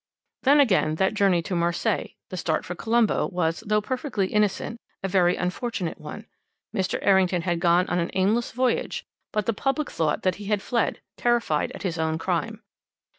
"Then, again, that journey to Marseilles, the start for Colombo, was, though perfectly innocent, a very unfortunate one. Mr. Errington had gone on an aimless voyage, but the public thought that he had fled, terrified at his own crime.